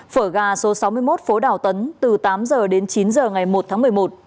phở gà số sáu mươi một phố đào tấn từ tám h đến chín h ngày một tháng một mươi một